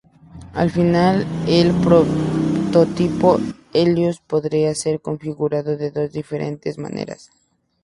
Al final, el Prototipo Helios podía ser configurado de dos diferentes maneras...